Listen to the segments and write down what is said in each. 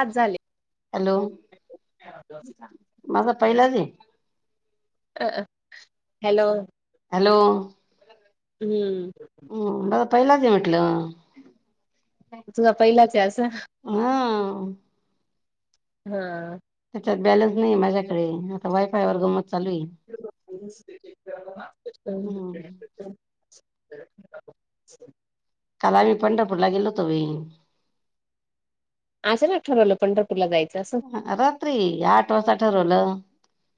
आज झाले. हॅलो माझा पहिलाच आहे हॅलो. हॅलो. हम्म. हम्म. बरं पहिलाच हाय म्हटलं. तुझा पहिलाच ये असं, हा ह.. त्यांच्यात बॅलन्स नाही माझ्याकडे, आता वायफाय वर घुमत चालू ये. हम्म [unintelligible] काल आम्ही पंढरपूरला गेलो तो बाई. असं ना, ठरवलं पंढरपूर. ला जायचं असं. रात्री आठ वाजता ठरवलं,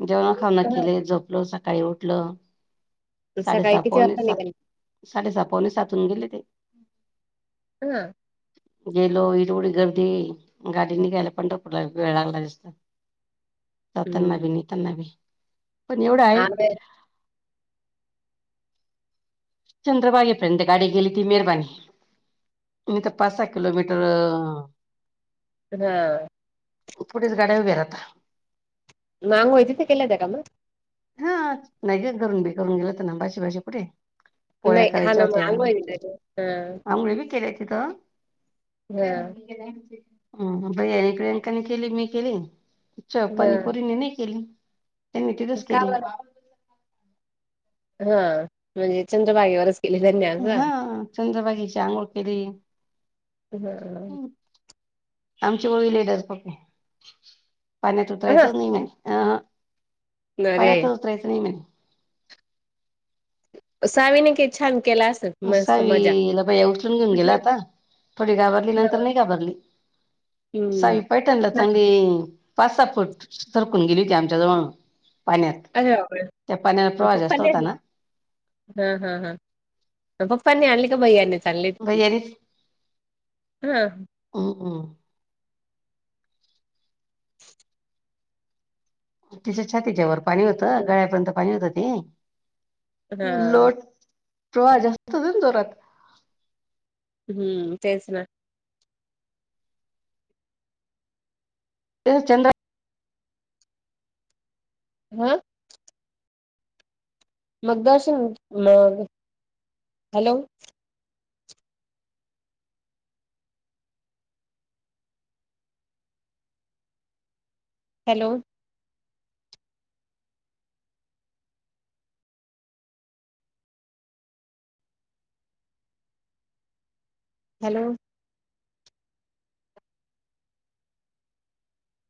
जेवण खाऊन केले झोप रोज सकाळी उठलं. सकाळी साडेसहा, किती पावणे वाजता सात. निघाली साडेसहा पावणे सात हून गेले होते. हं. गेलो येवढं गर्दी गाडी निघायला पंढर पूरात वेळ लागला जास्त, जातांना हम्म बी येतांना बी पण एवढं आहे. आंबे चंद्रभागे पर्यत गाडी गेली, ती मेरबनी. मी तर पा, सहा किलोमीटर अ... ह पुढेच गाड्या उभ्या राहता. मागूय तिथ केल्या त्या का मग हा नाही का करून बी करून गेलंत ना भाजी भाजी पुठे. पोळ्या नाही हा करायच्या ना मग होत्या आंघोळ तिथे हा आंबुळ्या भी केल्या की ग हा म बै प्रियांकाने केली मी केली च हा पनीपुरीने नाही केली त्यांनी तिथच का केली बरं? हा म्हणजे चंद्रभागेवरच केली त्यांनी हा असं चंद्रबागीची आंघोळ केली. हं [unintelligible] अ पण्यात हा उतरायंच नाही अरे मणे. सावीने क छान केला असेल मस्त मजा. सावीला बाया उचलून घेऊन गेला आता थोडी घाबरली नंतर नाही घाबरली. हम्म. सवी पयटन सांगि पाच सहा फूट सरकून गेली ती आमच्या जवळून पाण्यात अरे बापरे! त्या पाण्याला प्रवाह जास्त होता ना हा हा हा अ पप्पांनी आणले का भैय्यांन. भैय्यांनी हां. हम्म हम्म. [unintelligible] तिच्या छातीच्यावर पाणी होतं हं, गळ्यापर्यंत पाणी होत ते. हां. लोट प्रवाह जास्त होत ना जोरात. हम्म तेच ना. चंद्र ह मग दर्शन मग हॅलो हॅलो हॅलो.